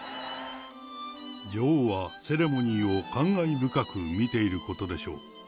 女王はセレモニーを感慨深く見ていることでしょう。